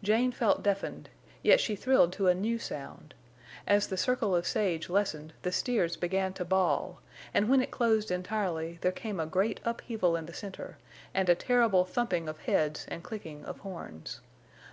Jane felt deafened, yet she thrilled to a new sound. As the circle of sage lessened the steers began to bawl, and when it closed entirely there came a great upheaval in the center, and a terrible thumping of heads and clicking of horns.